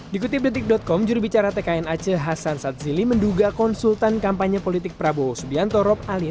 dikutip detik com jurubicara tkn aceh hasan sadzili menduga konsultan kampanye politik prabowo subianto rob alias